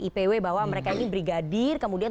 ipw bahwa mereka ini brigadir kemudian